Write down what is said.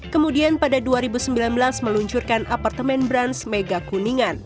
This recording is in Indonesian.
kemudian pada dua ribu sembilan belas meluncurkan apartemen brand megakuningan